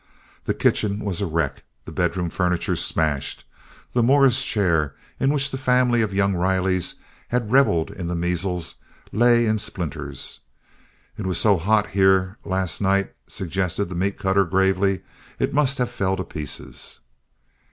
The kitchen was a wreck; the bedroom furniture smashed; the Morris chair in which the family of young Rileys had reveled in the measles lay in splinters. "It was so hot here last night," suggested the meat cutter, gravely, "it must have fell to pieces."